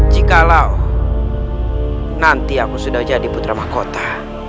jikalau nanti aku sudah jadi putra mahkota